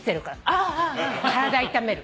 体痛める。